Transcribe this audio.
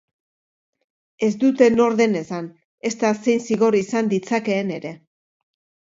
Ez dute nor den esan, ezta zein zigor izan ditzakeen ere.